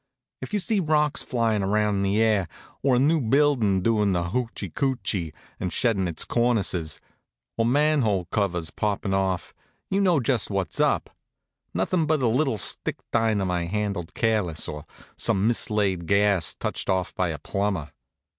If you see rocks flyin' round in the air, or a new building doin' the hoochee coochee an' sheddin' its cornices, or manhole covers poppin' off, you know just what's up nothing but a little stick dynamite handled careless, or some mislaid gas touched off by a plumber.